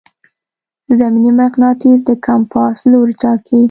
زمیني مقناطیس د کمپاس لوری ټاکي.